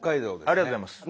ありがとうございます。